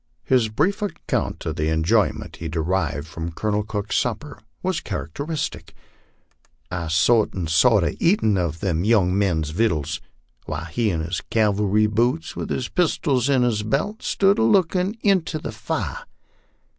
His brief account of the enjoyment he derediv from Colonel Cook's supper was characteristic: "Thar I sot an 1 sot a eatin' uv that young man's wittles, while he in his cavalry boots, with his pistols in his belt, stood a lookin' inter the fire."